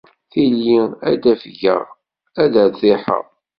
Tili ad afgeɣ, ad rtiḥeɣ.